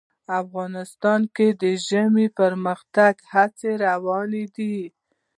افغانستان کې د ژمی د پرمختګ هڅې روانې دي.